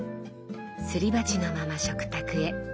すり鉢のまま食卓へ。